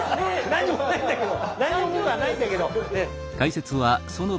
何にも僕はないんだけど。